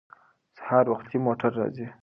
سهار وختي موټر راځي.